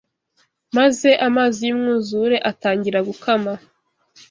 maze amazi y’umwuzure atangira gukama